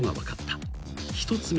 ［１つ目は］